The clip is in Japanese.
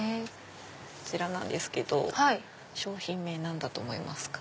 こちらなんですけど商品名何だと思いますか？